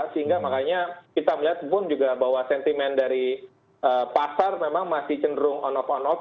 sehingga makanya kita melihat pun juga bahwa sentimen dari pasar memang masih cenderung on off on off